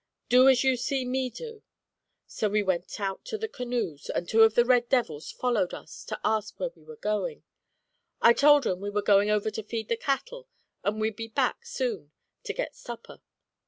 Do as you see me do.' "So we went out to the canoes, and two of the red devils followed us to ask where we were going. I told 'em we were going over to feed the cattle and we'd be back soon to get supper.